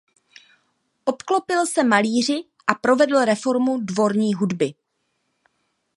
Obklopil se malíři a provedl reformu dvorní hudby.